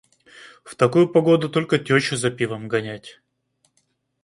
В такую погоду только тёщу за пивом гонять.